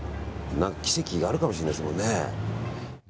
奇跡あるかもしれないですもんね。